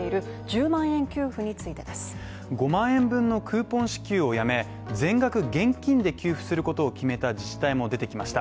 ５万円分のクーポン支給を止め、全額現金で給付することを決めた自治体も出てきました。